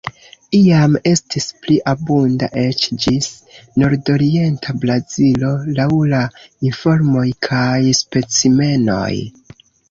Iam estis pli abunda eĉ ĝis nordorienta Brazilo laŭ la informoj kaj specimenoj.